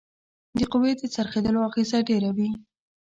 د قوې د څرخیدلو اغیزه ډیره وي.